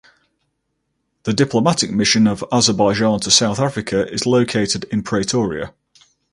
The diplomatic mission of Azerbaijan to South Africa is located in Pretoria.